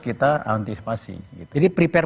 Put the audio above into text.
kita antisipasi jadi prepare